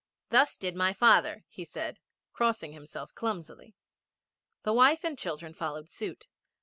'Thus did my father,' he said, crossing himself clumsily. The wife and children followed suit.